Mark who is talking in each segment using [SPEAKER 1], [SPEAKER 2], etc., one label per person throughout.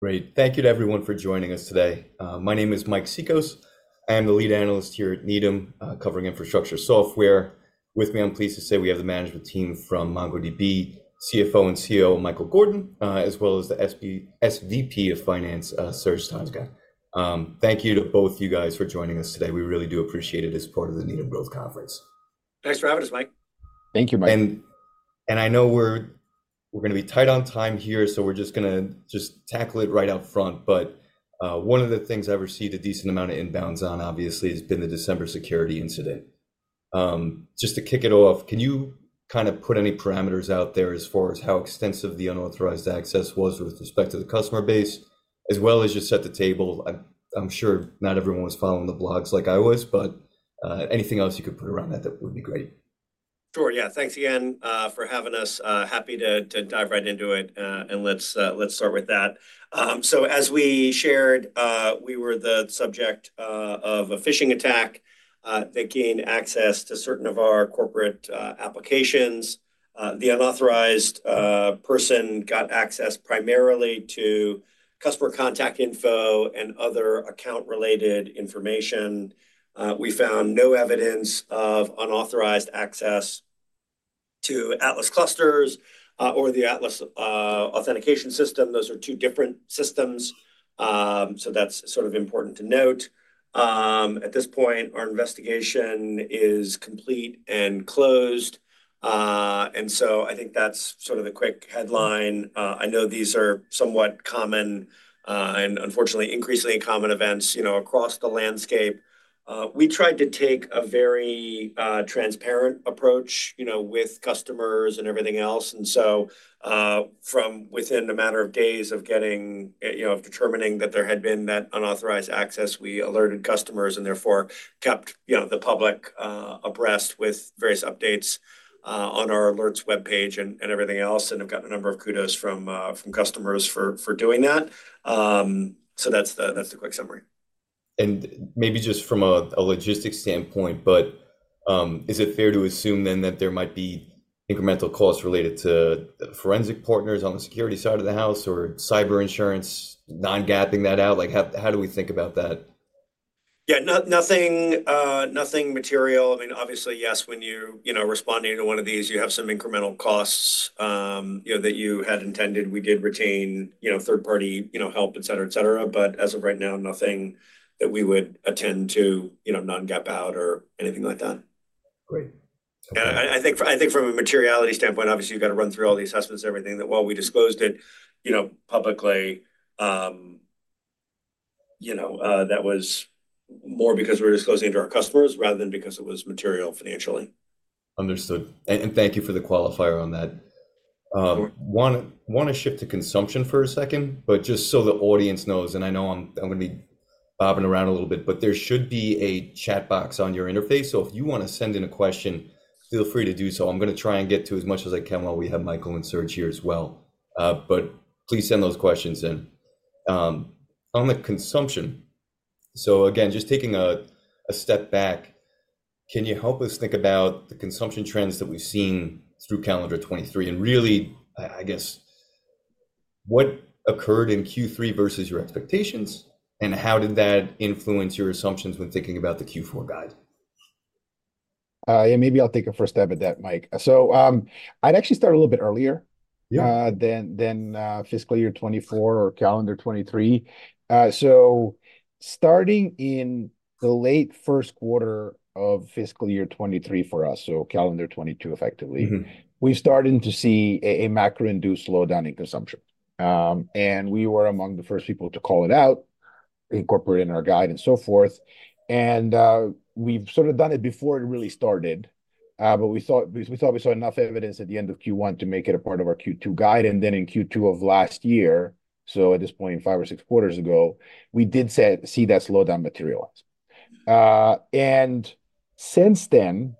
[SPEAKER 1] Great. Thank you to everyone for joining us today. My name is Mike Cikos. I am the lead analyst here at Needham, covering infrastructure software. With me, I'm pleased to say we have the management team from MongoDB, CFO and COO, Michael Gordon, as well as the SVP of finance, Serge Tanjga. Thank you to both of you guys for joining us today. We really do appreciate it as part of the Needham Growth Conference.
[SPEAKER 2] Thanks for having us, Mike.
[SPEAKER 3] Thank you, Mike.
[SPEAKER 1] I know we're going to be tight on time here, so we're just gonna tackle it right up front, but one of the things I received a decent amount of inbounds on, obviously, has been the December security incident. Just to kick it off, can you kind of put any parameters out there as far as how extensive the unauthorized access was with respect to the customer base, as well as just set the table? I'm sure not everyone was following the blogs like I was, but anything else you could put around that would be great.
[SPEAKER 2] Sure, yeah. Thanks again for having us. Happy to dive right into it, and let's start with that. So as we shared, we were the subject of a phishing attack that gained access to certain of our corporate applications. The unauthorized person got access primarily to customer contact info and other account-related information. We found no evidence of unauthorized access to Atlas clusters or the Atlas authentication system. Those are two different systems. So that's sort of important to note. At this point, our investigation is complete and closed, and so I think that's sort of the quick headline. I know these are somewhat common, and unfortunately, increasingly common events, you know, across the landscape. We tried to take a very transparent approach, you know, with customers and everything else, and so, from within a matter of days of getting, you know, of determining that there had been that unauthorized access, we alerted customers and therefore kept, you know, the public abreast with various updates on our alerts webpage and everything else, and I've gotten a number of kudos from customers for doing that. So that's the quick summary.
[SPEAKER 1] Maybe just from a logistics standpoint, but is it fair to assume then that there might be incremental costs related to forensic partners on the security side of the house or cyber insurance, Non-GAAP that out? Like, how do we think about that?
[SPEAKER 2] Yeah, nothing material. I mean, obviously, yes, when you, you know, responding to one of these, you have some incremental costs, you know, that you had intended. We did retain, you know, third-party, you know, help, et cetera, et cetera. But as of right now, nothing that we would attend to, you know, Non-GAAP out or anything like that.
[SPEAKER 1] Great.
[SPEAKER 2] I think from a materiality standpoint, obviously, you've got to run through all the assessments, everything that while we disclosed it, you know, publicly, you know, that was more because we were disclosing to our customers rather than because it was material financially.
[SPEAKER 1] Understood. And thank you for the qualifier on that.
[SPEAKER 2] Sure.
[SPEAKER 1] Want to shift to consumption for a second, but just so the audience knows, and I know I'm gonna be bobbing around a little bit, but there should be a chat box on your interface, so if you want to send in a question, feel free to do so. I'm going to try and get to as much as I can while we have Michael and Serge here as well. But please send those questions in. On the consumption, so again, just taking a step back, can you help us think about the consumption trends that we've seen through calendar 2023? And really, I guess, what occurred in Q3 versus your expectations, and how did that influence your assumptions when thinking about the Q4 guide?
[SPEAKER 3] Yeah, maybe I'll take a first stab at that, Mike. So, I'd actually start a little bit earlier-
[SPEAKER 1] Yeah...
[SPEAKER 3] than fiscal year 2024 or calendar 2023. So starting in the late first quarter of fiscal year 2023 for us, so calendar 2022, effectively-
[SPEAKER 1] Mm-hmm...
[SPEAKER 3] we started to see a macro-induced slowdown in consumption. We were among the first people to call it out, incorporate it in our guide and so forth. We've sort of done it before it really started, but we thought we saw enough evidence at the end of Q1 to make it a part of our Q2 guide, and then in Q2 of last year, so at this point, five or six quarters ago, we did see that slowdown materialize. Since then,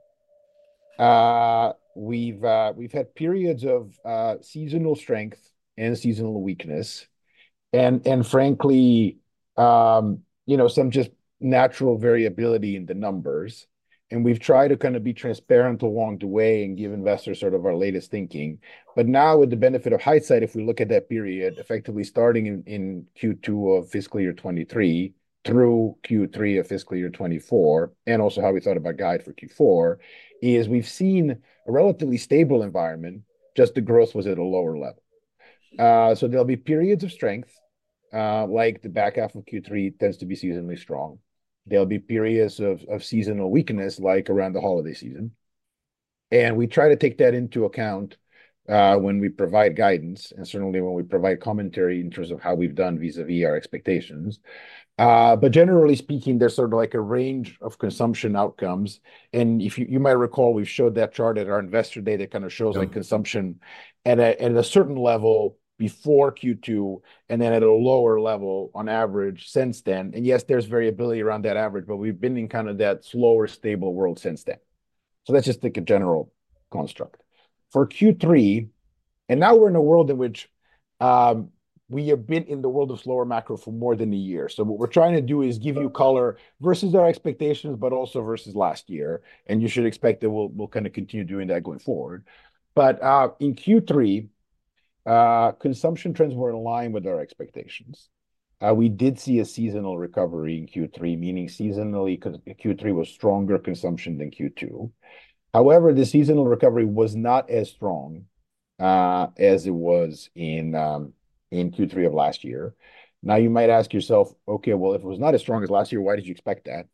[SPEAKER 3] we've had periods of seasonal strength and seasonal weakness and frankly, you know, some just natural variability in the numbers, and we've tried to kind of be transparent along the way and give investors sort of our latest thinking. But now, with the benefit of hindsight, if we look at that period, effectively starting in Q2 of fiscal year 2023 through Q3 of fiscal year 2024, and also how we thought about guide for Q4, is we've seen a relatively stable environment, just the growth was at a lower level. So there'll be periods of strength, like the back half of Q3 tends to be seasonally strong. There'll be periods of seasonal weakness, like around the holiday season, and we try to take that into account, when we provide guidance, and certainly when we provide commentary in terms of how we've done vis-a-vis our expectations. But generally speaking, there's sort of like a range of consumption outcomes, and if you you might recall, we showed that chart at our investor day that kind of shows-
[SPEAKER 1] Yeah...
[SPEAKER 3] like consumption at a, at a certain level before Q2, and then at a lower level on average since then. And yes, there's variability around that average, but we've been in kind of that slower, stable world since then. So let's just take a general construct. For Q3, and now we're in a world in which we have been in the world of slower macro for more than a year. So what we're trying to do is give you color versus our expectations, but also versus last year, and you should expect that we'll, we'll kind of continue doing that going forward. But, in Q3, consumption trends were in line with our expectations. We did see a seasonal recovery in Q3, meaning seasonally, Q3 was stronger consumption than Q2. However, the seasonal recovery was not as strong as it was in Q3 of last year. Now, you might ask yourself, "Okay, well, if it was not as strong as last year, why did you expect that?"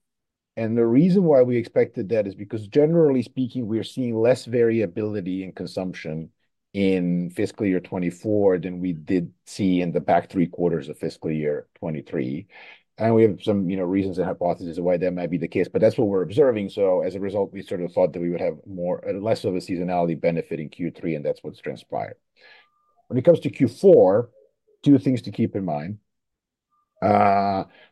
[SPEAKER 3] The reason why we expected that is because generally speaking, we are seeing less variability in consumption in fiscal year 2024 than we did see in the back three quarters of fiscal year 2023. We have some, you know, reasons and hypotheses why that might be the case, but that's what we're observing. So as a result, we sort of thought that we would have less of a seasonality benefit in Q3, and that's what's transpired. When it comes to Q4, two things to keep in mind.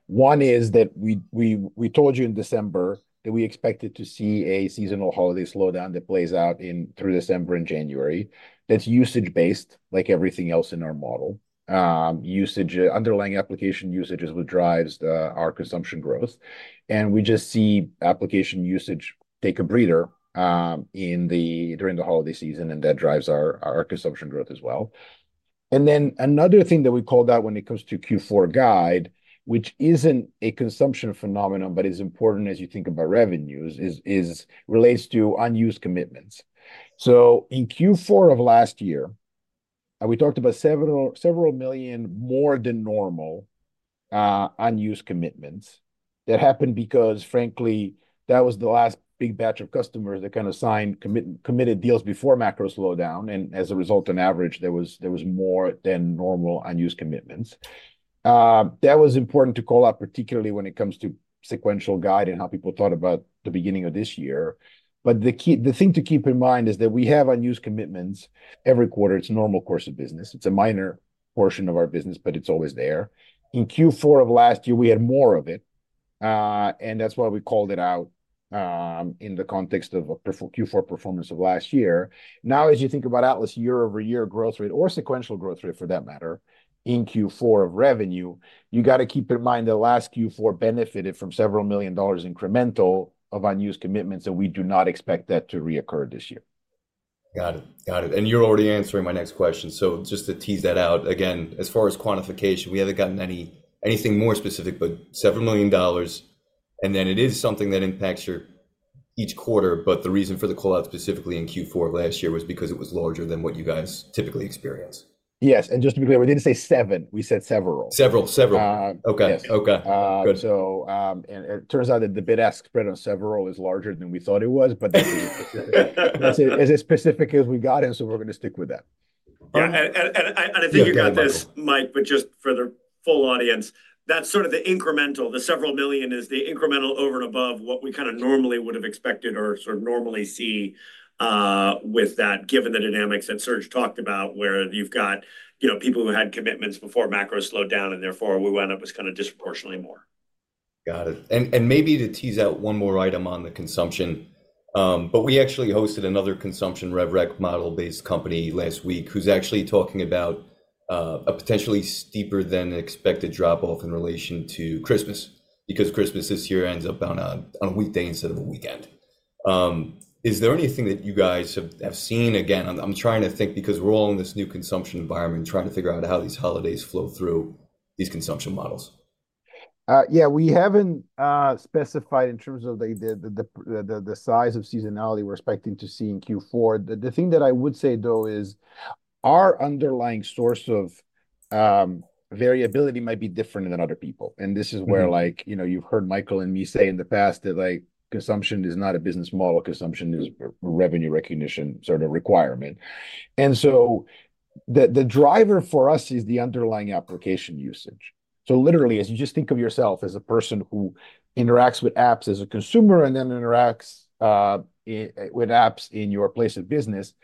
[SPEAKER 3] One is that we told you in December that we expected to see a seasonal holiday slowdown that plays out in through December and January. That's usage-based, like everything else in our model. Underlying application usage is what drives our consumption growth, and we just see application usage take a breather during the holiday season, and that drives our consumption growth as well. Then another thing that we called out when it comes to Q4 guide, which isn't a consumption phenomenon but is important as you think about revenues, relates to unused Commitments. So in Q4 of last year, we talked about several million more than normal unused Commitments. That happened because, frankly, that was the last big batch of customers that kind of signed committed deals before macro slowdown, and as a result, on average, there was more than normal unused commitments. That was important to call out, particularly when it comes to sequential guide and how people thought about the beginning of this year. But the thing to keep in mind is that we have unused commitments every quarter. It's normal course of business. It's a minor portion of our business, but it's always there. In Q4 of last year, we had more of it, and that's why we called it out, in the context of a Q4 performance of last year. Now, as you think about Atlas year-over-year growth rate or sequential growth rate, for that matter, in Q4 of revenue, you got to keep in mind that last Q4 benefited from $several million incremental of unused commitments, and we do not expect that to reoccur this year.
[SPEAKER 1] Got it, got it. And you're already answering my next question. So just to tease that out, again, as far as quantification, we haven't gotten anything more specific, but $7 million, and then it is something that impacts your each quarter. But the reason for the call-out specifically in Q4 of last year was because it was larger than what you guys typically experience.
[SPEAKER 3] Yes, and just to be clear, we didn't say seven. We said several.
[SPEAKER 1] Several, several.
[SPEAKER 3] Uh-
[SPEAKER 1] Okay.
[SPEAKER 3] Yes.
[SPEAKER 1] Okay, good.
[SPEAKER 3] So, it turns out that the bid ask spread on several is larger than we thought it was, but that's as specific as we got it, so we're gonna stick with that.
[SPEAKER 2] Yeah, and I think you got this, Mike, but just for the full audience, that's sort of the incremental. The several million is the incremental over and above what we kinda normally would have expected or sort of normally see, with that, given the dynamics that Serge talked about, where you've got, you know, people who had commitments before macro slowed down, and therefore what we wound up was kinda disproportionately more.
[SPEAKER 1] Got it. And maybe to tease out one more item on the consumption, but we actually hosted another consumption rev rec model-based company last week, who's actually talking about a potentially steeper than expected drop-off in relation to Christmas, because Christmas this year ends up on a weekday instead of a weekend. Is there anything that you guys have seen? Again, I'm trying to think because we're all in this new consumption environment, trying to figure out how these holidays flow through these consumption models.
[SPEAKER 3] Yeah, we haven't specified in terms of the size of seasonality we're expecting to see in Q4. The thing that I would say, though, is our underlying source of variability might be different than other people.
[SPEAKER 1] Mm-hmm.
[SPEAKER 3] This is where, like, you know, you've heard Michael and me say in the past that, like, consumption is not a business model. Consumption is a revenue recognition sort of requirement. So the driver for us is the underlying application usage. So literally, as you just think of yourself as a person who interacts with apps as a consumer and then interacts with apps in your place of business,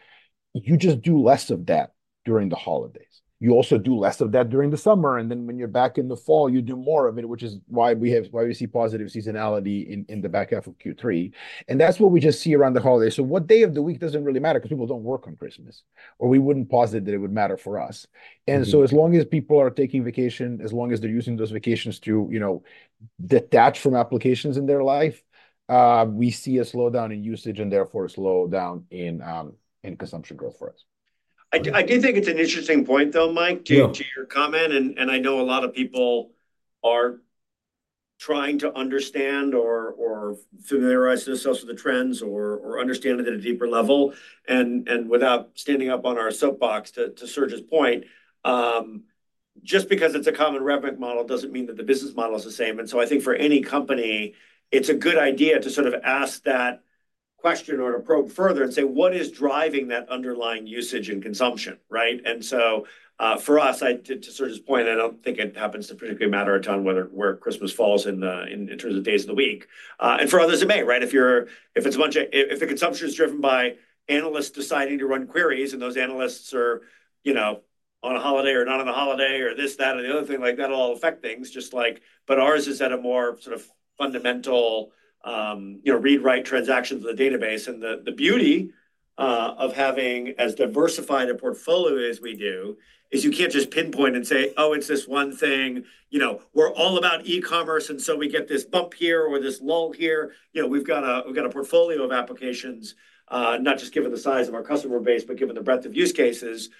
[SPEAKER 3] you just do less of that during the holidays. You also do less of that during the summer, and then when you're back in the fall, you do more of it, which is why we see positive seasonality in the back half of Q3, and that's what we just see around the holiday. What day of the week doesn't really matter, 'cause people don't work on Christmas, or we wouldn't posit that it would matter for us.
[SPEAKER 1] Mm-hmm.
[SPEAKER 3] And so as long as people are taking vacation, as long as they're using those vacations to, you know, detach from applications in their life, we see a slowdown in usage and therefore a slowdown in consumption growth for us.
[SPEAKER 2] I do, I do think it's an interesting point, though, Mike.
[SPEAKER 3] Yeah...
[SPEAKER 2] to your comment, and I know a lot of people are trying to understand or familiarize themselves with the trends or understand it at a deeper level. And without standing up on our soapbox, to Serge's point, just because it's a common rev rec model doesn't mean that the business model is the same. And so I think for any company, it's a good idea to sort of ask that question or to probe further and say, "What is driving that underlying usage and consumption?" Right? And so, for us, to Serge's point, I don't think it happens to particularly matter a ton whether where Christmas falls in terms of days of the week. And for others, it may, right? If the consumption is driven by analysts deciding to run queries, and those analysts are, you know, on a holiday or not on a holiday or this, that, or the other thing, like, that'll all affect things just like... But ours is at a more sort of fundamental, you know, read, write transactions of the database. And the beauty of having as diversified a portfolio as we do... is you can't just pinpoint and say, "Oh, it's this one thing." You know, we're all about e-commerce, and so we get this bump here or this lull here. You know, we've got a portfolio of applications, not just given the size of our customer base, but given the breadth of use cases.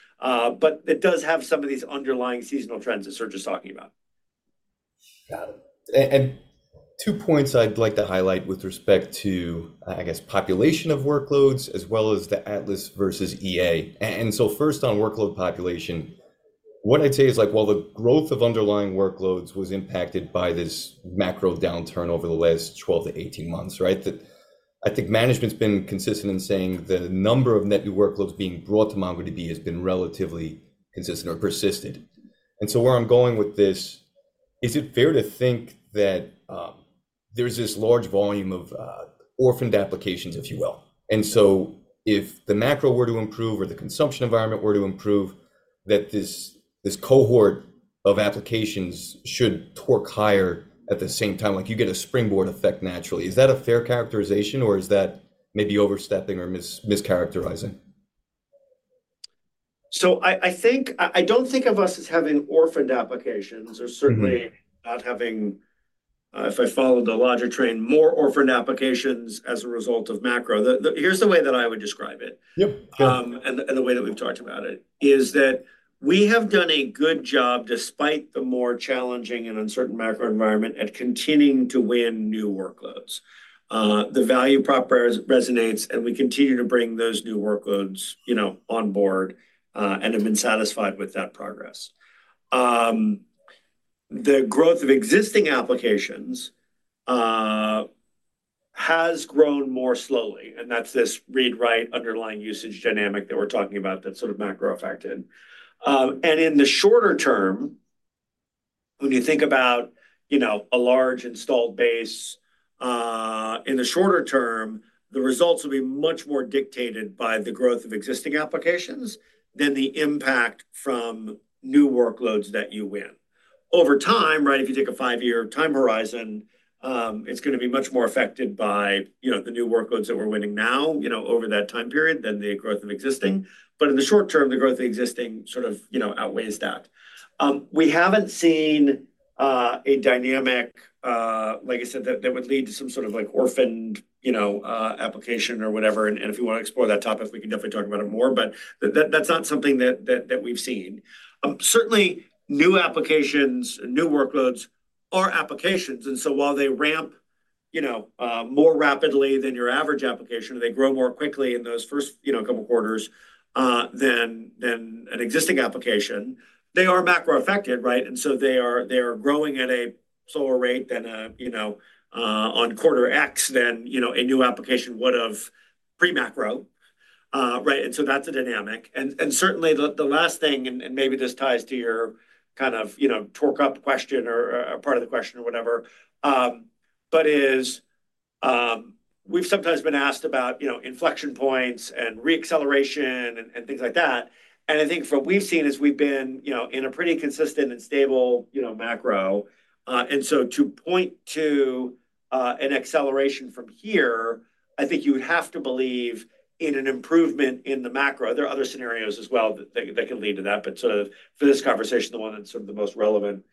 [SPEAKER 2] But it does have some of these underlying seasonal trends that Serge was talking about.
[SPEAKER 1] Got it. And two points I'd like to highlight with respect to, I guess, population of workloads as well as the Atlas versus EA. And so, first, on workload population, what I'd say is like, while the growth of underlying workloads was impacted by this macro downturn over the last 12-18 months, right? That I think management's been consistent in saying that the number of net new workloads being brought to MongoDB has been relatively consistent or persisted. And so where I'm going with this: is it fair to think that, there's this large volume of, orphaned applications, if you will? And so if the macro were to improve or the consumption environment were to improve, that this, this cohort of applications should torque higher at the same time, like you get a springboard effect naturally. Is that a fair characterization, or is that maybe overstepping or mischaracterizing?
[SPEAKER 2] So I think, I don't think of us as having orphaned applications-
[SPEAKER 1] Mm-hmm.
[SPEAKER 2] or certainly not having, if I followed the logic train, more orphaned applications as a result of macro. The, here's the way that I would describe it-
[SPEAKER 1] Yep....
[SPEAKER 2] and the way that we've talked about it is that we have done a good job, despite the more challenging and uncertain macro environment, at continuing to win new workloads. The value prop resonates, and we continue to bring those new workloads, you know, on board, and have been satisfied with that progress. The growth of existing applications has grown more slowly, and that's this read-write, underlying usage dynamic that we're talking about, that sort of macro effect in. And in the shorter term, when you think about, you know, a large installed base, in the shorter term, the results will be much more dictated by the growth of existing applications than the impact from new workloads that you win. Over time, right, if you take a 5-year time horizon, it's gonna be much more affected by, you know, the new workloads that we're winning now, you know, over that time period than the growth of existing. But in the short term, the growth of existing sort of, you know, outweighs that. We haven't seen a dynamic, like I said, that would lead to some sort of, like, orphaned, you know, application or whatever. And if you want to explore that topic, we can definitely talk about it more, but that, that's not something that we've seen. Certainly, new applications, new workloads are applications, and so while they ramp, you know, more rapidly than your average application, or they grow more quickly in those first, you know, couple quarters, than an existing application, they are macro affected, right? And so they are, they are growing at a slower rate than a, you know, on quarter X than, you know, a new application would have pre-macro, right? And so that's a dynamic. And certainly the last thing, and maybe this ties to your kind of, you know, torque up question or part of the question or whatever, but is, we've sometimes been asked about, you know, inflection points and re-acceleration and things like that. And I think from what we've seen is we've been, you know, in a pretty consistent and stable, you know, macro. And so to point to an acceleration from here, I think you would have to believe in an improvement in the macro. There are other scenarios as well that can lead to that, but sort of for this conversation, the one that's sort of the most relevant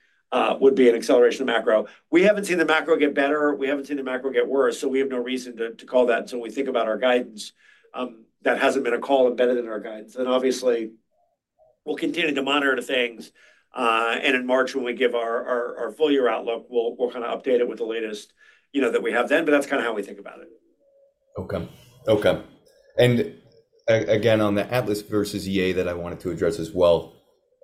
[SPEAKER 2] would be an acceleration of macro. We haven't seen the macro get better. We haven't seen the macro get worse, so we have no reason to call that. So when we think about our guidance, that hasn't been a call embedded in our guidance. And obviously, we'll continue to monitor the things. And in March, when we give our full year outlook, we'll kinda update it with the latest, you know, that we have then, but that's kinda how we think about it.
[SPEAKER 1] Okay. Okay. And again, on the Atlas versus EA that I wanted to address as well,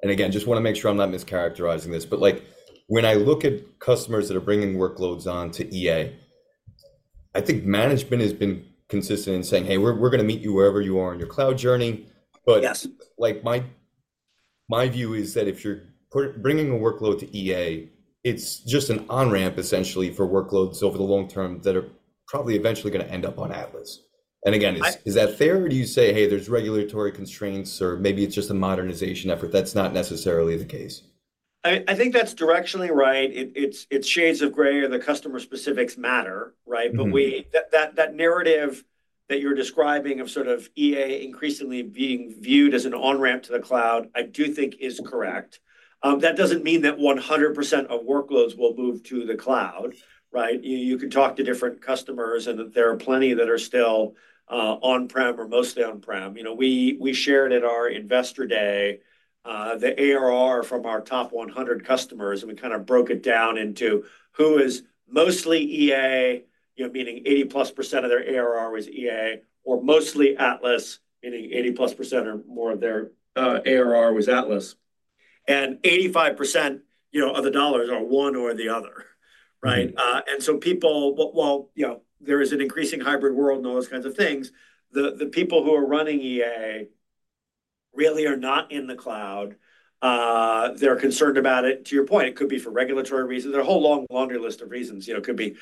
[SPEAKER 1] and again, just wanna make sure I'm not mischaracterizing this, but like, when I look at customers that are bringing workloads on to EA, I think management has been consistent in saying, "Hey, we're, we're gonna meet you wherever you are in your cloud journey.
[SPEAKER 2] Yes.
[SPEAKER 1] But like, my, my view is that if you're bringing a workload to EA, it's just an on-ramp, essentially, for workloads over the long term that are probably eventually gonna end up on Atlas.
[SPEAKER 2] I-
[SPEAKER 1] Again, is that fair, or do you say, "Hey, there's regulatory constraints," or maybe it's just a modernization effort, that's not necessarily the case?
[SPEAKER 2] I think that's directionally right. It's shades of gray, or the customer specifics matter, right?
[SPEAKER 1] Mm-hmm.
[SPEAKER 2] But we that narrative that you're describing of sort of EA increasingly being viewed as an on-ramp to the cloud, I do think is correct. That doesn't mean that 100% of workloads will move to the cloud, right? You can talk to different customers, and that there are plenty that are still on-prem or mostly on-prem. You know, we shared at our Investor Day the ARR from our top 100 customers, and we kinda broke it down into who is mostly EA, you know, meaning 80+% of their ARR was EA, or mostly Atlas, meaning 80+% or more of their ARR was Atlas. And 85%, you know, of the dollars are one or the other, right?
[SPEAKER 1] Mm-hmm.
[SPEAKER 2] And so, people... Well, you know, there is an increasing hybrid world and all those kinds of things. The people who are running EA really are not in the cloud. They're concerned about it. To your point, it could be for regulatory reasons, or a whole long, longer list of reasons. You know, it could be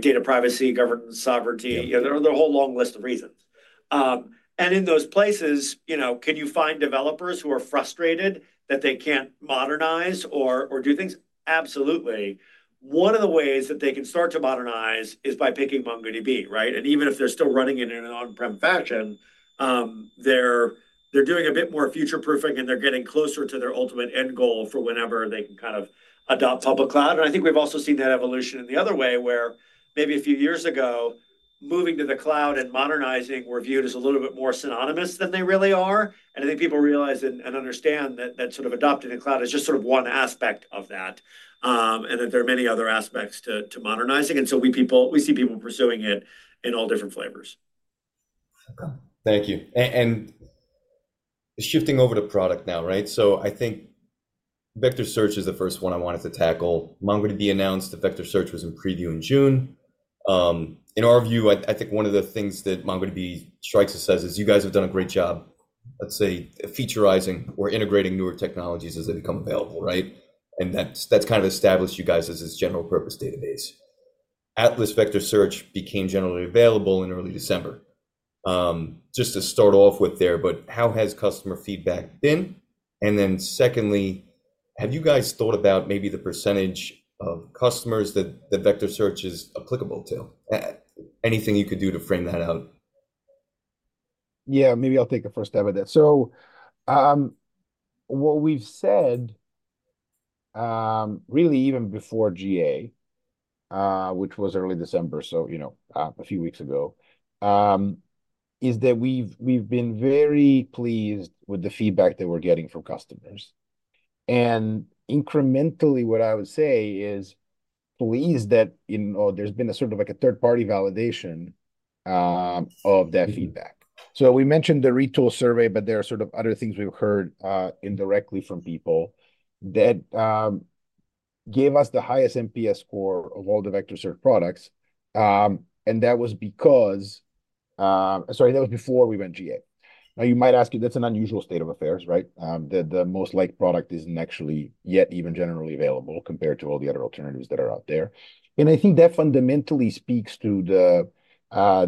[SPEAKER 2] data privacy, government sovereignty-
[SPEAKER 1] Yeah....
[SPEAKER 2] you know, there are a whole long list of reasons. And in those places, you know, can you find developers who are frustrated that they can't modernize or do things? Absolutely. One of the ways that they can start to modernize is by picking MongoDB, right? And even if they're still running it in an on-prem fashion, they're doing a bit more future-proofing, and they're getting closer to their ultimate end goal for whenever they can kind of adopt public cloud. And I think we've also seen that evolution in the other way, where maybe a few years ago, moving to the cloud and modernizing were viewed as a little bit more synonymous than they really are. I think people realize and understand that sort of adopting the cloud is just sort of one aspect of that, and that there are many other aspects to modernizing. So we see people pursuing it in all different flavors.
[SPEAKER 1] Thank you. And shifting over to product now, right? So I think vector search is the first one I wanted to tackle. MongoDB announced that vector search was in preview in June. In our view, I think one of the things that MongoDB strikes and says is, you guys have done a great job, let's say, featurizing or integrating newer technologies as they become available, right? And that's kind of established you guys as this general purpose database. Atlas Vector Search became generally available in early December. Just to start off with there, but how has customer feedback been? And then secondly, have you guys thought about maybe the percentage of customers that the Vector Search is applicable to? Anything you could do to frame that out.
[SPEAKER 3] Yeah, maybe I'll take a first stab at that. So, what we've said, really even before GA, which was early December, so, you know, a few weeks ago, is that we've been very pleased with the feedback that we're getting from customers. And incrementally, what I would say is pleased that, you know, there's been a sort of like a third-party validation of that feedback. So we mentioned the Retool survey, but there are sort of other things we've heard indirectly from people that gave us the highest NPS score of all the vector search products. And that was because... Sorry, that was before we went GA. Now, you might ask, if that's an unusual state of affairs, right? The most liked product isn't actually yet even generally available compared to all the other alternatives that are out there. And I think that fundamentally speaks to the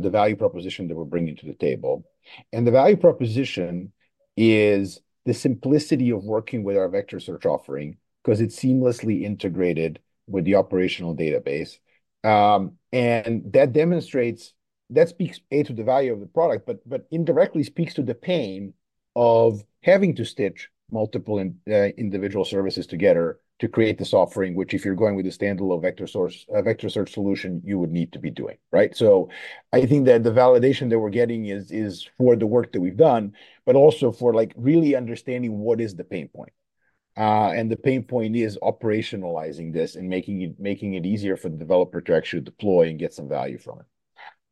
[SPEAKER 3] value proposition that we're bringing to the table. And the value proposition is the simplicity of working with our vector search offering, 'cause it's seamlessly integrated with the operational database. And that demonstrates, that speaks, A, to the value of the product, but indirectly speaks to the pain of having to stitch multiple individual services together to create this offering, which, if you're going with a standalone vector search solution, you would need to be doing, right? So I think that the validation that we're getting is for the work that we've done, but also for, like, really understanding what is the pain point. The pain point is operationalizing this and making it, making it easier for the developer to actually deploy and get some value from it.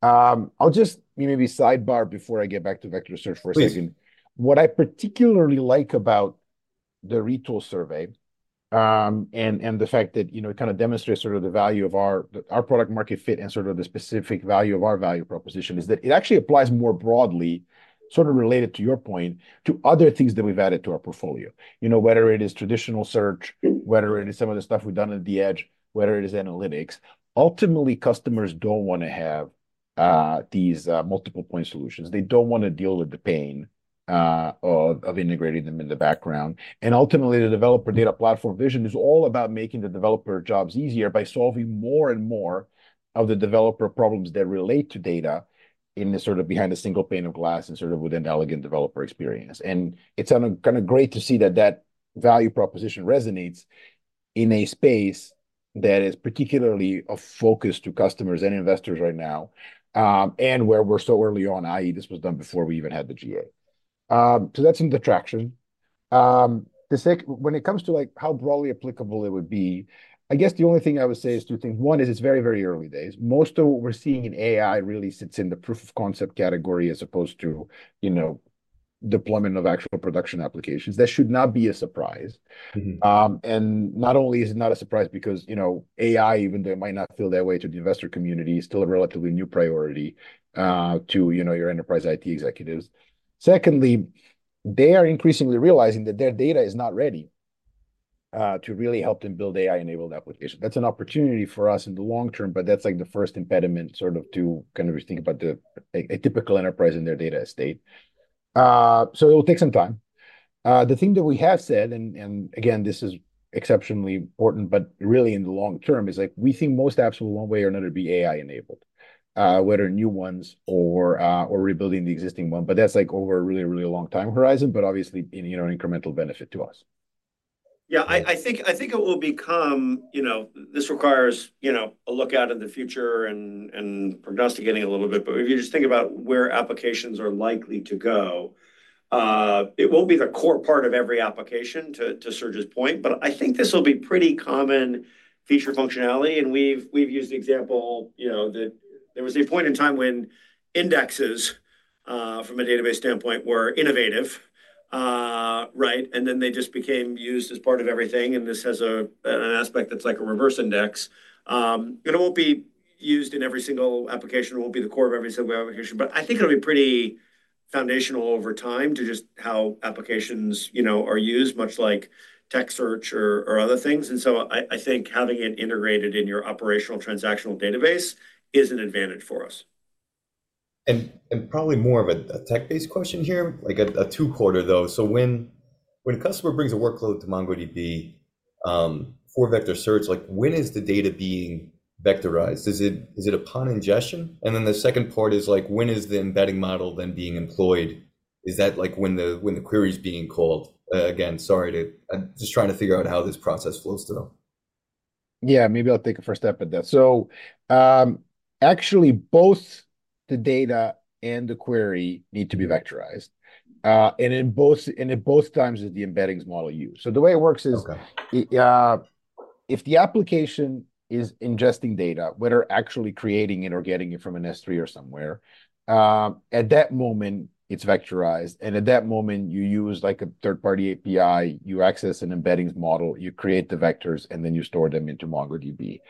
[SPEAKER 3] I'll just maybe sidebar before I get back to vector search for a second.
[SPEAKER 1] Please.
[SPEAKER 3] What I particularly like about the Retool survey, and the fact that, you know, it kind of demonstrates sort of the value of our product market fit and sort of the specific value of our value proposition, is that it actually applies more broadly, sort of related to your point, to other things that we've added to our portfolio. You know, whether it is traditional search, whether it is some of the stuff we've done at the edge, whether it is analytics. Ultimately, customers don't wanna have these multiple point solutions. They don't wanna deal with the pain of integrating them in the background. Ultimately, the developer data platform vision is all about making the developer jobs easier by solving more and more of the developer problems that relate to data in a sort of behind-a-single-pane-of-glass and sort of with an elegant developer experience. It's kind of, kind of great to see that, that value proposition resonates in a space that is particularly of focus to customers and investors right now, and where we're so early on, i.e., this was done before we even had the GA. So that's in the traction. When it comes to, like, how broadly applicable it would be, I guess the only thing I would say is two things. One is, it's very, very early days. Most of what we're seeing in AI really sits in the proof of concept category as opposed to, you know, deployment of actual production applications. That should not be a surprise.
[SPEAKER 1] Mm-hmm.
[SPEAKER 3] And not only is it not a surprise because, you know, AI, even though it might not feel that way to the investor community, is still a relatively new priority to, you know, your enterprise IT executives. Secondly, they are increasingly realizing that their data is not ready to really help them build AI-enabled applications. That's an opportunity for us in the long term, but that's, like, the first impediment, sort of to kind of think about a typical enterprise and their data estate. So it will take some time. The thing that we have said, and again, this is exceptionally important, but really in the long term, is like, we think most apps will, one way or another, be AI-enabled, whether new ones or rebuilding the existing one. But that's like over a really, really long time horizon, but obviously, you know, incremental benefit to us.
[SPEAKER 2] Yeah, I think it will become... You know, this requires, you know, a look out in the future and prognosticating a little bit. But if you just think about where applications are likely to go, it won't be the core part of every application, to Serge's point, but I think this will be pretty common feature functionality. And we've used the example, you know, that there was a point in time when indexes from a database standpoint were innovative. Right? And then they just became used as part of everything, and this has an aspect that's like a reverse index. It won't be used in every single application. It won't be the core of every single application, but I think it'll be pretty foundational over time to just how applications, you know, are used, much like text search or, or other things. And so I, I think having it integrated in your operational transactional database is an advantage for us.
[SPEAKER 1] And probably more of a tech-based question here, like a two-parter, though. So when a customer brings a workload to MongoDB for vector search, like, when is the data being vectorized? Is it upon ingestion? And then the second part is like, when is the embedding model then being employed? Is that like when the query is being called? Again, sorry. I'm just trying to figure out how this process flows through.
[SPEAKER 3] Yeah, maybe I'll take a first stab at that. So, actually, both the data and the query need to be vectorized. And in both, and at both times is the embeddings model used. So the way it works is-
[SPEAKER 1] Okay.
[SPEAKER 3] If the application is ingesting data, whether actually creating it or getting it from an S3 or somewhere, at that moment it's vectorized, and at that moment, you use, like, a third-party API, you access an embeddings model, you create the vectors, and then you store them into MongoDB.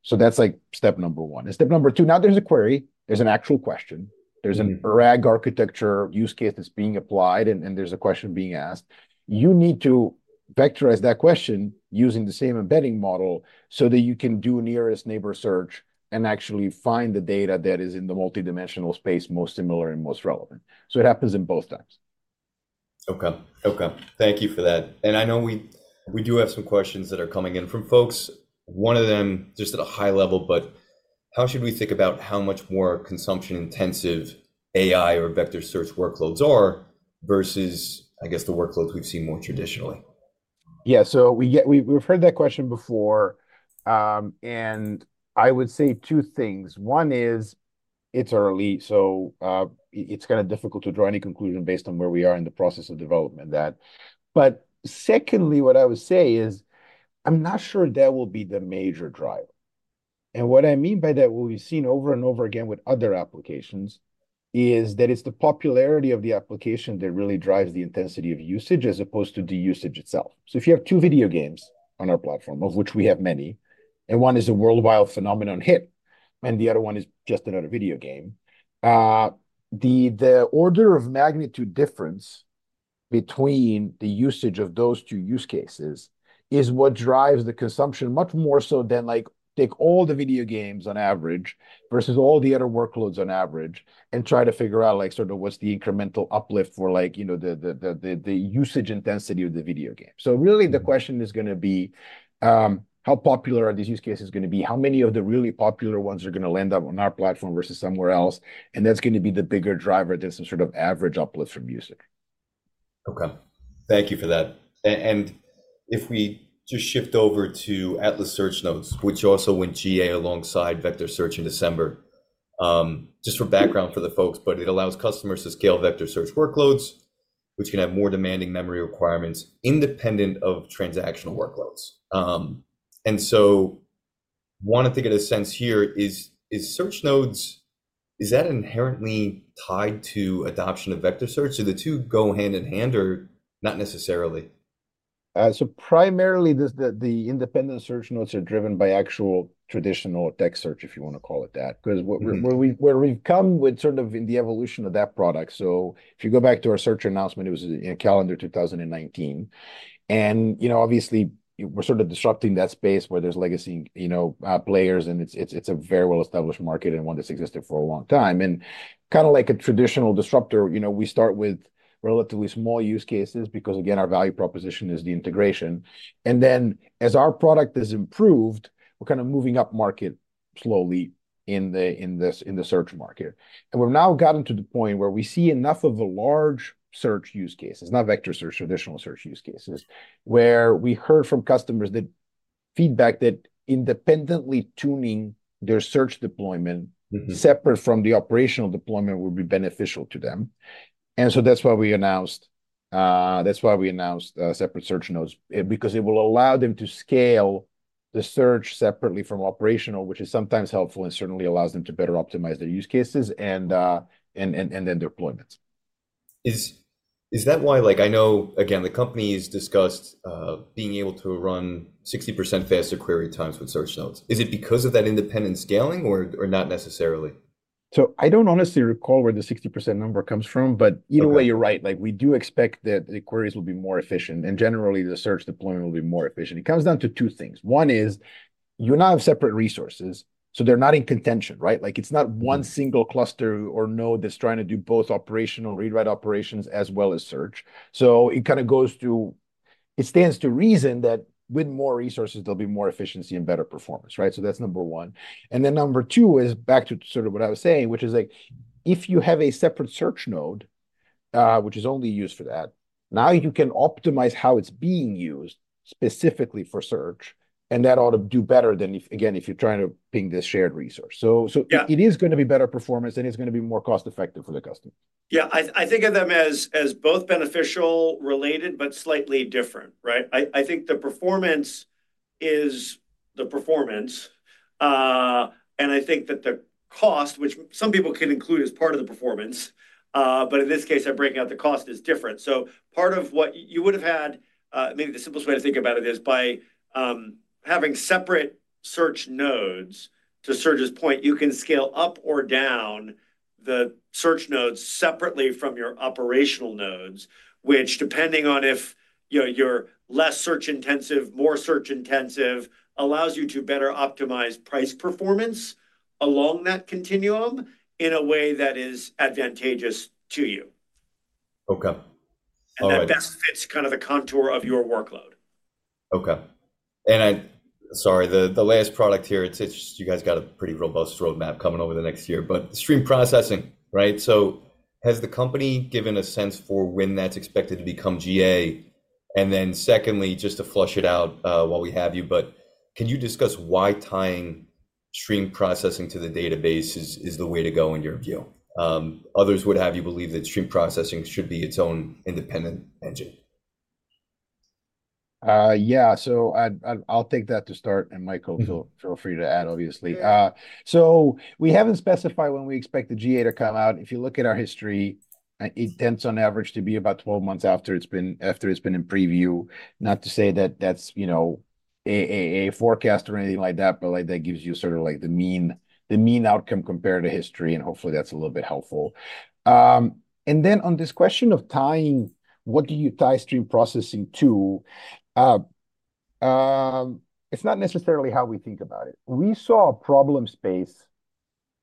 [SPEAKER 3] So that's, like, step number one. And step number two, now there's a query, there's an actual question, there's an-
[SPEAKER 1] Mm-hmm...
[SPEAKER 3] RAG architecture use case that's being applied, and there's a question being asked. You need to vectorize that question using the same embedding model so that you can do nearest neighbor search and actually find the data that is in the multidimensional space most similar and most relevant. So it happens in both times.
[SPEAKER 1] Okay. Okay, thank you for that. I know we, we do have some questions that are coming in from folks. One of them, just at a high level, but how should we think about how much more consumption-intensive AI or vector search workloads are versus, I guess, the workloads we've seen more traditionally?
[SPEAKER 3] Yeah. So we get, we've heard that question before, and I would say two things. One is, it's early, so, it's kind of difficult to draw any conclusion based on where we are in the process of development that... But secondly, what I would say is, I'm not sure that will be the major driver. And what I mean by that, what we've seen over and over again with other applications, is that it's the popularity of the application that really drives the intensity of usage as opposed to the usage itself. So if you have two video games on our platform, of which we have many, and one is a worldwide phenomenon hit, and the other one is just another video game, the order of magnitude difference between the usage of those two use cases is what drives the consumption much more so than, like, take all the video games on average versus all the other workloads on average, and try to figure out, like, sort of what's the incremental uplift for like, you know, the usage intensity of the video game. So really-
[SPEAKER 1] Mm...
[SPEAKER 3] the question is gonna be, how popular are these use cases gonna be? How many of the really popular ones are gonna end up on our platform versus somewhere else? And that's gonna be the bigger driver than some sort of average uplift from usage.
[SPEAKER 1] Okay, thank you for that. And if we just shift over to Atlas search nodes, which also went GA alongside sector search in December. Just for background for the folks, but it allows customers to scale vector search workloads, which can have more demanding memory requirements independent of transactional workloads. And so wanted to get a sense here is, is search nodes, is that inherently tied to adoption of vector search, so the two go hand in hand, or not necessarily?
[SPEAKER 3] Primarily, the independent search nodes are driven by actual traditional text search, if you want to call it that.
[SPEAKER 1] Mm-hmm.
[SPEAKER 3] 'Cause where we've come with sort of in the evolution of that product, so if you go back to our search announcement, it was in calendar 2019, and, you know, obviously, we're sort of disrupting that space where there's legacy, you know, players, and it's a very well-established market and one that's existed for a long time. And kind of like a traditional disruptor, you know, we start with relatively small use cases because, again, our value proposition is the integration. And then, as our product is improved, we're kind of moving upmarket slowly in this search market. And we've now gotten to the point where we see enough of the large search use cases, not vector search, traditional search use cases, where we heard from customers that feedback that independently tuning their search deployment-
[SPEAKER 1] Mm-hmm...
[SPEAKER 3] separate from the operational deployment would be beneficial to them. And so that's why we announced separate search nodes. Because it will allow them to scale the search separately from operational, which is sometimes helpful and certainly allows them to better optimize their use cases and their deployments.
[SPEAKER 1] Is that why, like I know, again, the company's discussed being able to run 60% faster query times with search nodes. Is it because of that independent scaling or not necessarily?
[SPEAKER 3] I don't honestly recall where the 60% number comes from, but-
[SPEAKER 1] Okay.
[SPEAKER 3] Either way, you're right. Like, we do expect that the queries will be more efficient, and generally, the search deployment will be more efficient. It comes down to two things. One is, you now have separate resources, so they're not in contention, right? Like it's not-
[SPEAKER 1] Mm...
[SPEAKER 3] one single cluster or node that's trying to do both operational read/write operations as well as search. So it kind of goes to, it stands to reason that with more resources, there'll be more efficiency and better performance, right? So that's number one. And then number two is back to sort of what I was saying, which is like, if you have a separate search node, which is only used for that, now you can optimize how it's being used specifically for search, and that ought to do better than if, again, if you're trying to ping the shared resource. So, so-
[SPEAKER 1] Yeah...
[SPEAKER 3] it is gonna be better performance, and it's gonna be more cost-effective for the customer.
[SPEAKER 2] Yeah, I think of them as both beneficial, related, but slightly different, right? I think the performance is the performance, and I think that the cost, which some people can include as part of the performance, but in this case, I break out the cost, is different. So part of what you would have had, maybe the simplest way to think about it is by having separate search nodes. To Serge's point, you can scale up or down the search nodes separately from your operational nodes, which, depending on if, you know, you're less search-intensive, more search-intensive, allows you to better optimize price performance along that continuum in a way that is advantageous to you.
[SPEAKER 1] Okay. All right.
[SPEAKER 2] That best fits kind of the contour of your workload.
[SPEAKER 1] Okay, and sorry, the last product here, it's you guys got a pretty robust roadmap coming over the next year, but stream processing, right? So has the company given a sense for when that's expected to become GA? And then secondly, just to flesh it out, while we have you, but can you discuss why tying stream processing to the database is the way to go in your view? Others would have you believe that stream processing should be its own independent engine.
[SPEAKER 3] Yeah, so I’ll take that to start, and Mike, feel free to add, obviously. So we haven't specified when we expect the GA to come out. If you look at our history, it tends on average to be about 12 months after it's been in preview. Not to say that that's, you know, a forecast or anything like that, but, like, that gives you sort of like the mean outcome compared to history, and hopefully that's a little bit helpful. And then on this question of tying, what do you tie stream processing to? It's not necessarily how we think about it. We saw a problem space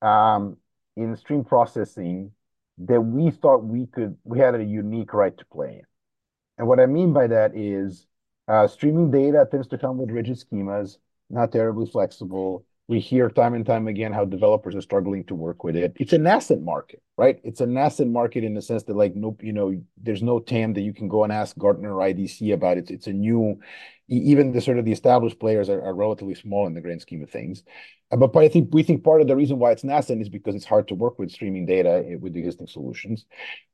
[SPEAKER 3] in stream processing that we thought we could - we had a unique right to play in. And what I mean by that is, streaming data tends to come with rigid schemas, not terribly flexible. We hear time and time again how developers are struggling to work with it. It's a nascent market, right? It's a nascent market in the sense that, like, no—you know, there's no TAM that you can go and ask Gartner or IDC about it. It's a new... Even the sort of the established players are relatively small in the grand scheme of things. But I think—we think part of the reason why it's nascent is because it's hard to work with streaming data with the existing solutions.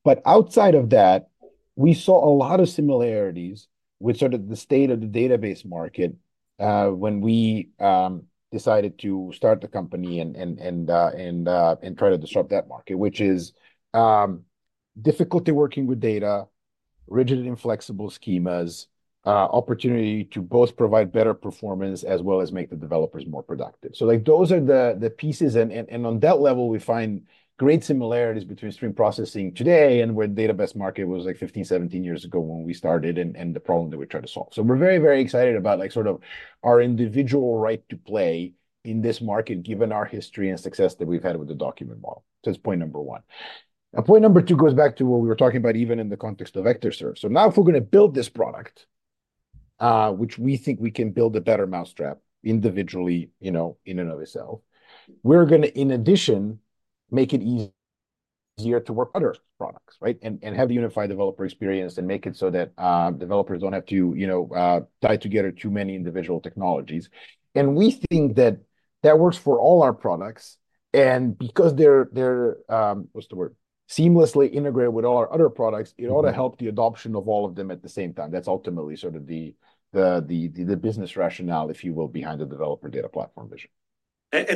[SPEAKER 3] But outside of that, we saw a lot of similarities with sort of the state of the database market, when we decided to start the company and try to disrupt that market, which is difficulty working with data, rigid and inflexible schemas, opportunity to both provide better performance as well as make the developers more productive. So, like, those are the pieces, and on that level, we find great similarities between stream processing today and where the database market was like 15, 17 years ago when we started, and the problem that we tried to solve. So we're very, very excited about, like, sort of our individual right to play in this market, given our history and success that we've had with the document model. So that's point number one. Now, point number two goes back to what we were talking about, even in the context of vector search. So now, if we're gonna build this product, which we think we can build a better mousetrap individually, you know, in and of itself, we're gonna, in addition, make it easier to work other products, right? And, and have the unified developer experience and make it so that, developers don't have to, you know, tie together too many individual technologies. And we think that that works for all our products, and because they're seamlessly integrated with all our other products, it ought to help the adoption of all of them at the same time. That's ultimately sort of the business rationale, if you will, behind the developer data platform vision.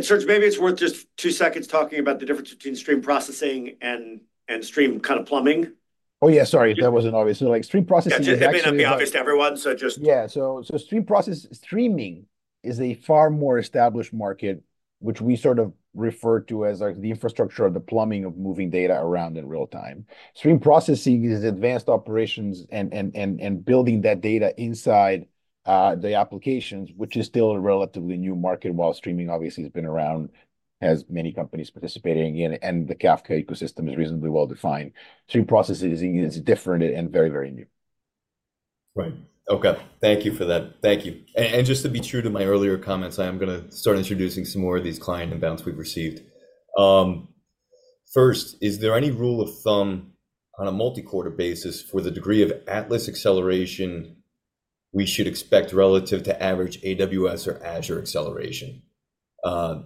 [SPEAKER 2] Serge, maybe it's worth just two seconds talking about the difference between stream processing and stream kind of plumbing.
[SPEAKER 3] Oh, yeah, sorry, that wasn't obvious. So, like, stream processing is actually-
[SPEAKER 2] That may not be obvious to everyone, so just-
[SPEAKER 3] Yeah. So, streaming is a far more established market, which we sort of refer to as, like, the infrastructure or the plumbing of moving data around in real time. Stream processing is advanced operations and building that data inside the applications, which is still a relatively new market, while streaming obviously has been around, has many companies participating in, and the Kafka ecosystem is reasonably well defined. Stream processing is different and very, very new.
[SPEAKER 1] Right. Okay, thank you for that. Thank you. And just to be true to my earlier comments, I am gonna start introducing some more of these client inbound we've received. First, is there any rule of thumb on a multi-quarter basis for the degree of Atlas acceleration we should expect relative to average AWS or Azure acceleration?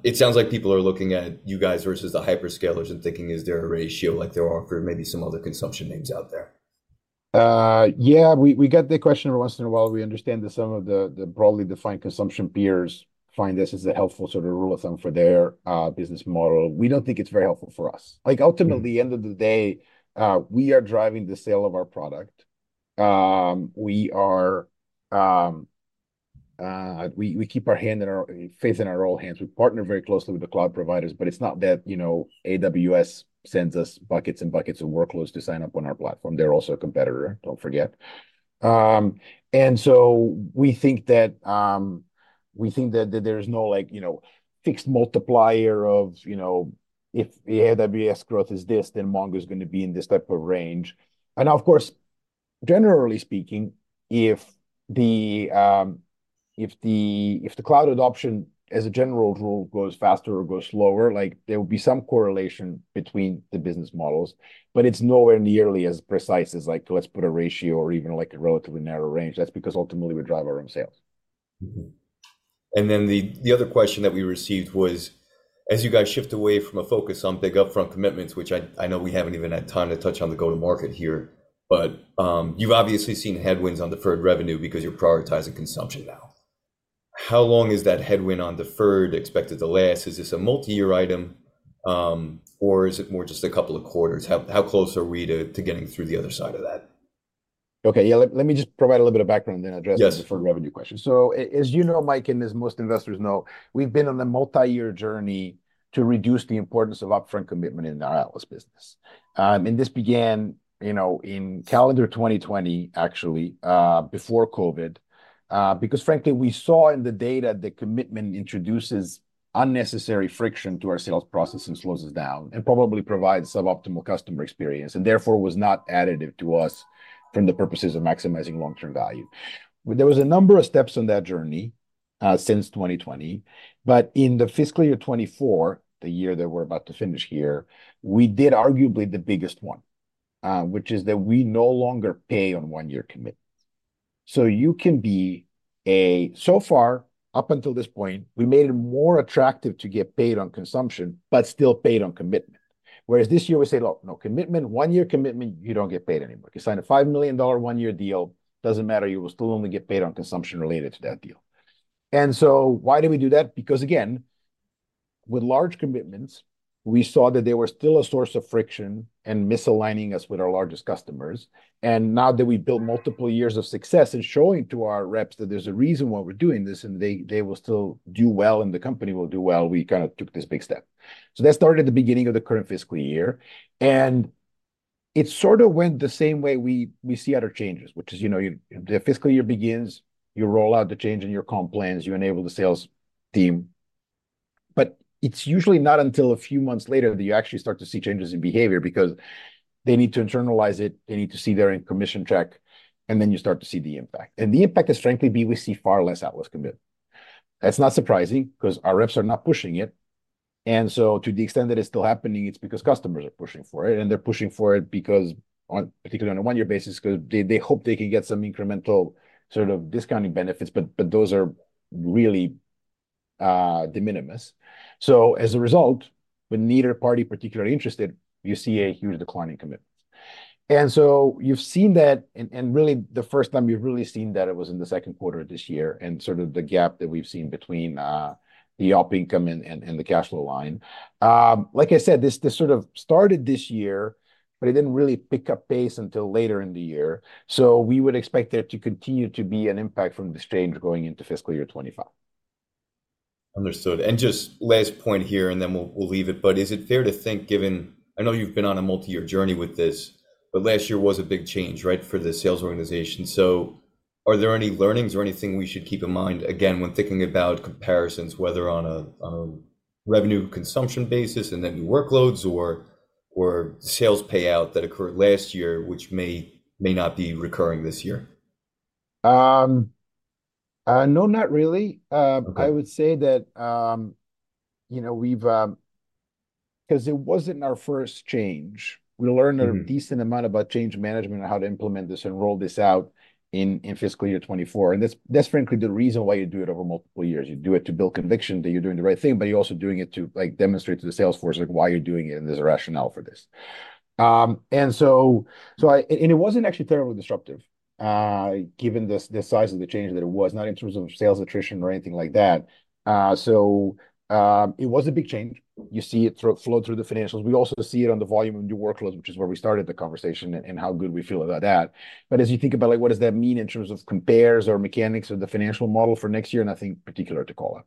[SPEAKER 1] It sounds like people are looking at you guys versus the hyperscalers and thinking, is there a ratio like there are for maybe some other consumption names out there?
[SPEAKER 3] Yeah, we get that question every once in a while. We understand that some of the broadly defined consumption peers find this as a helpful sort of rule of thumb for their business model. We don't think it's very helpful for us. Like, ultimately, at the end of the day, we are driving the sale of our product. We keep our fate in our own hands. We partner very closely with the cloud providers, but it's not that, you know, AWS sends us buckets and buckets of workloads to sign up on our platform. They're also a competitor, don't forget. And so we think that, we think that there's no, like, you know, fixed multiplier of, you know, if the AWS growth is this, then Mongo is gonna be in this type of range. And of course, generally speaking, if the cloud adoption, as a general rule, goes faster or goes slower, like there will be some correlation between the business models. But it's nowhere nearly as precise as like, let's put a ratio or even like a relatively narrow range. That's because ultimately, we drive our own sales.
[SPEAKER 1] Mm-hmm. And then the other question that we received was, as you guys shift away from a focus on big upfront commitments, which I know we haven't even had time to touch on the go-to-market here, but you've obviously seen headwinds on deferred revenue because you're prioritizing consumption now. How long is that headwind on deferred expected to last? Is this a multi-year item, or is it more just a couple of quarters? How close are we to getting through the other side of that?
[SPEAKER 3] Okay, yeah, let me just provide a little bit of background, then address-
[SPEAKER 1] Yes...
[SPEAKER 3] the deferred revenue question. So as you know, Mike, and as most investors know, we've been on a multi-year journey to reduce the importance of upfront commitment in our Atlas business. And this began, you know, in calendar 2020, actually, before COVID. Because frankly, we saw in the data that commitment introduces unnecessary friction to our sales process and slows us down, and probably provides suboptimal customer experience, and therefore, was not additive to us from the purposes of maximizing long-term value. There was a number of steps on that journey, since 2020, but in the fiscal year 2024, the year that we're about to finish here, we did arguably the biggest one, which is that we no longer pay on one-year commitments. So far, up until this point, we made it more attractive to get paid on consumption, but still paid on commitment. Whereas this year we say, "Look, no commitment. One year commitment, you don't get paid anymore." You sign a $5 million one-year deal, doesn't matter, you will still only get paid on consumption related to that deal. And so why do we do that? Because, again, with large commitments, we saw that they were still a source of friction and misaligning us with our largest customers. And now that we've built multiple years of success and showing to our reps that there's a reason why we're doing this, and they, they will still do well, and the company will do well, we kind of took this big step. So that started at the beginning of the current fiscal year, and it sort of went the same way we see other changes, which is, you know, the fiscal year begins, you roll out the change in your comp plans, you enable the sales team. But it's usually not until a few months later that you actually start to see changes in behavior, because they need to internalize it, they need to see their commission check, and then you start to see the impact. And the impact is, frankly, we see far less Atlas commitment. That's not surprising, 'cause our reps are not pushing it, and so to the extent that it's still happening, it's because customers are pushing for it. And they're pushing for it, because particularly on a one-year basis, 'cause they hope they can get some incremental sort of discounting benefits, but those are really de minimis. So as a result, when neither party is particularly interested, you see a huge decline in commitments. And so you've seen that, and really, the first time you've really seen that it was in the second quarter of this year, and sort of the gap that we've seen between the op income and the cash flow line. Like I said, this sort of started this year, but it didn't really pick up pace until later in the year, so we would expect there to continue to be an impact from this change going into fiscal year 25.
[SPEAKER 1] Understood. And just last point here, and then we'll, we'll leave it. But is it fair to think, given... I know you've been on a multi-year journey with this, but last year was a big change, right, for the sales organization. So are there any learnings or anything we should keep in mind, again, when thinking about comparisons, whether on a revenue consumption basis, and then new workloads or sales payout that occurred last year, which may, may not be recurring this year?
[SPEAKER 3] No, not really.
[SPEAKER 1] Okay.
[SPEAKER 3] I would say that, you know, we've, 'cause it wasn't our first change.
[SPEAKER 1] Mm-hmm.
[SPEAKER 3] We learned a decent amount about change management and how to implement this and roll this out in fiscal year 2024. That's frankly the reason why you do it over multiple years. You do it to build conviction that you're doing the right thing, but you're also doing it to, like, demonstrate to the sales force, like, why you're doing it, and there's a rationale for this. And so it wasn't actually terribly disruptive, given the size of the change that it was, not in terms of sales attrition or anything like that. So it was a big change. You see it flow through the financials. We also see it on the volume of new workloads, which is where we started the conversation, and how good we feel about that. But as you think about, like, what does that mean in terms of compares or mechanics or the financial model for next year? Nothing particular to call out.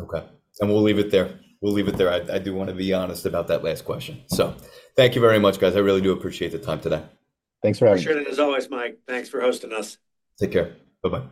[SPEAKER 1] Okay, then we'll leave it there. We'll leave it there. I, I do wanna be honest about that last question. So thank you very much, guys. I really do appreciate the time today.
[SPEAKER 3] Thanks for having us.
[SPEAKER 2] Appreciate it. As always, Mike, thanks for hosting us.
[SPEAKER 1] Take care. Bye-bye.